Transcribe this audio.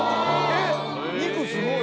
えっ肉すごい。